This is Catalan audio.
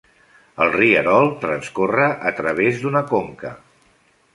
El rierol transcorre a través d'una conca.